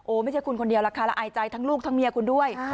ไม่ใช่คุณคนเดียวล่ะค่ะละอายใจทั้งลูกทั้งเมียคุณด้วย